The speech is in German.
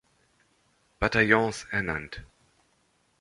Bataillons ernannt.